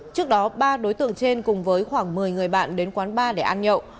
trước đó ba đối tượng trên cùng với khoảng một mươi người bạn đến quán bar để ăn nhậu